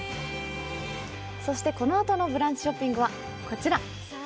このあとの「ブランチショッピング」はこちら。